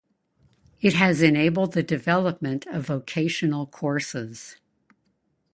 It has enabled the development of vocational courses.